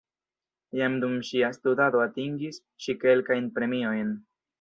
Jam dum ŝia studado atingis ŝi kelkajn premiojn.